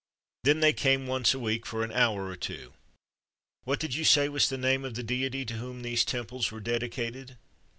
Then they came once a week for an hour or two. What did you say was the name of the deity to whom these temples were dedicated?